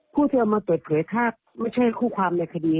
ผู้ที่เอามาเปิดเผยถ้าไม่ใช่คู่ความในคดี